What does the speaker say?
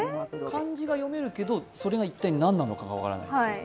漢字が読めるけど、それが一体何なのか分からない。